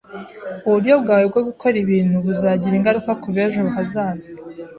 Uburyo bwawe bwo gukora ibintu buzagira ingaruka kubejo hazaza.